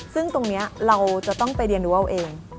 ซึ่งตรงนี้เราจะต้องไปเรียนรู้เอาเอง